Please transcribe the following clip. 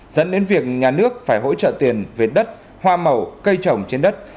dẫn đến việc nhà nước phải hỗ trợ tiền về đất hoa màu cây trồng trên đất